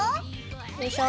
よいしょ。